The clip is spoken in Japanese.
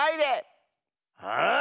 はい！